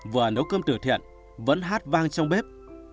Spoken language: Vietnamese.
vừa nấu cơm từ thiện vẫn hát vang trong bếp